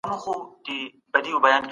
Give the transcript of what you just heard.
مورنۍ ژبه د زده کوونکي پوهاوی څنګه ژوروي؟